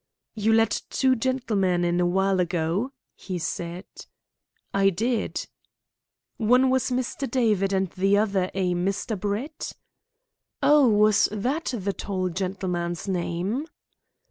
"You let two gentlemen in a while ago?" he said. "I did." "One was Mr. David and the other a Mr. Brett?" "Oh, was that the tall gentleman's name?"